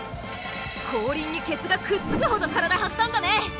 後輪にケツがくっつくほど体張ったんだね！